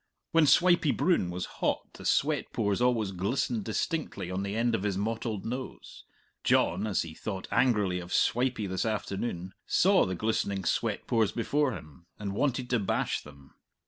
When Swipey Broon was hot the sweat pores always glistened distinctly on the end of his mottled nose John, as he thought angrily of Swipey this afternoon, saw the glistening sweat pores before him and wanted to bash them.